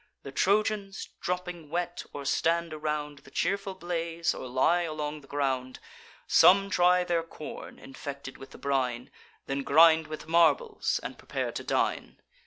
The Trojans, dropping wet, or stand around The cheerful blaze, or lie along the ground: Some dry their corn, infected with the brine, Then grind with marbles, and prepare to dine.